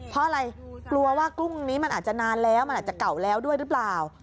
เพราะอะไรกลัวว่ากุ้งนี้มันอาจจะนานแล้วมันอาจจะเก่าแล้วด้วยหรือเปล่า